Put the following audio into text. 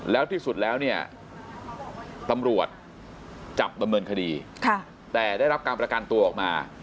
แล้วที่สุดแล้วเนี่ยตำรวจจับดำเนินคดีแต่ได้รับการประกันตัวออกมา